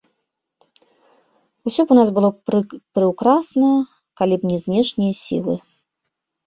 Усё б у нас было прыўкрасна, калі б не знешнія сілы.